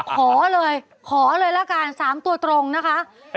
ขอเลยขอเลยละกัน๓ตัวตรงนะคะ